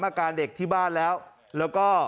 อาการเด็กที่บ้านแล้วแล้วก็